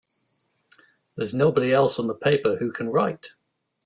There's nobody else on the paper who can write!